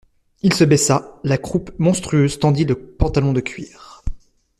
Il se baissa: la croupe monstrueuse tendit le pantalon de cuir.